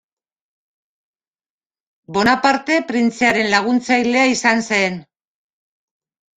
Bonaparte printzearen laguntzailea izan zen.